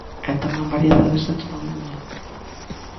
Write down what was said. E tamén variedades de todo o mundo.